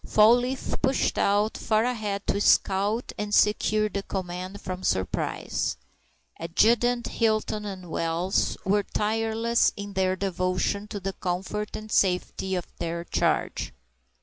Fall leaf pushed out far ahead to scout and secure the command from surprise. Adjutant Hinton and Wells were tireless in their devotion to the comfort and safety of their charge.